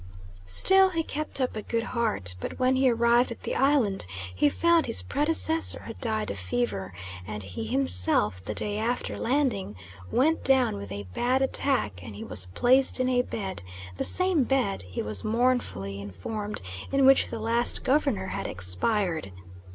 Still he kept up a good heart, but when he arrived at the island he found his predecessor had died of fever; and he himself, the day after landing, went down with a bad attack and he was placed in a bed the same bed, he was mournfully informed, in which the last Governor had expired.